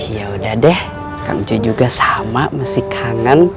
yaudah deh kang encuy juga sama masih kangen